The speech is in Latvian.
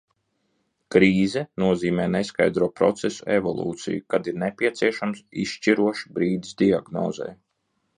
Krīze nozīmē neskaidro procesu evolūciju, kad ir nepieciešams izšķirošs brīdis diagnozei.